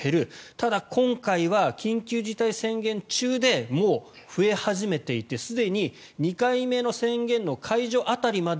ただ、今回は緊急事態宣言中でもう増え始めていてすでに２回目の宣言の解除辺りまで